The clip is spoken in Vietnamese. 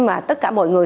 và tất cả mọi người